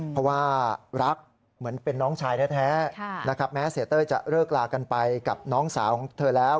เพราะว่ารักเหมือนเป็นน้องชายแท้นะครับแม้เสียเต้ยจะเลิกลากันไปกับน้องสาวของเธอแล้ว